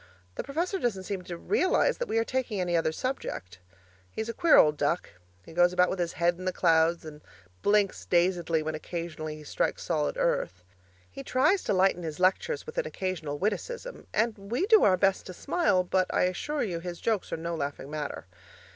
The professor doesn't seem to realize that we are taking any other subject. He's a queer old duck; he goes about with his head in the clouds and blinks dazedly when occasionally he strikes solid earth. He tries to lighten his lectures with an occasional witticism and we do our best to smile, but I assure you his jokes are no laughing matter.